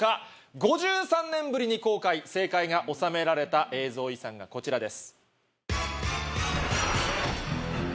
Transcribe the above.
５３年ぶりに公開正解がおさめられた映像遺産がこちらです。